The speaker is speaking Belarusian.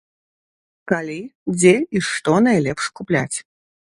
Калі, дзе і што найлепш купляць.